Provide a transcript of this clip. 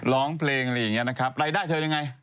ร้องเพลงอะไรอย่างนี้นะครับรายได้เธอยังไง